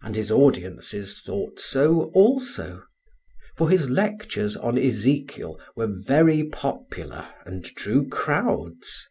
And his audiences thought so also; for his lectures on Ezekiel were very popular and drew crowds.